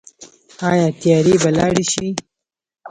آیا تیارې به لاړې شي؟